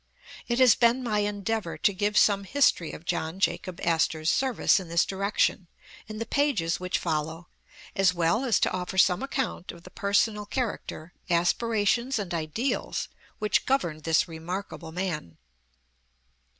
It has been my endeavor to give some history of John Jacob Astor's service in this direction, in the pages which follow, as well as to offer some account of the personal character, aspirations and ideals, which governed thig remarkable man.